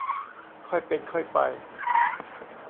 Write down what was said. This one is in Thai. ค่อยเป็นค่อยไป